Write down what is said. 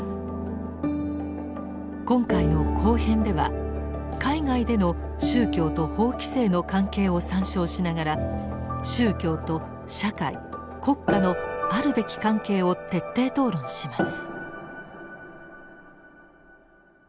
今回の後編では海外での宗教と法規制の関係を参照しながら宗教と社会国家のあるべき関係を徹底討論します。